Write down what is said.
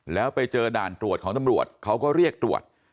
แล้วไปเจอด่านตรวจของตำรวจเขาก็เรียกตรวจ